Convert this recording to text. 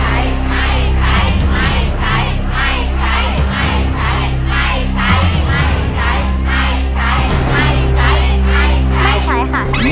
ไม่ใช่ค่ะ